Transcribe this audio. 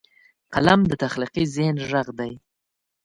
قلم د تخلیقي ذهن غږ دی